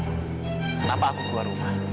kenapa aku keluar rumah